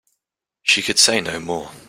She could say no more.